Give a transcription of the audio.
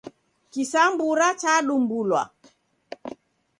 Kisambura chadumbulwa.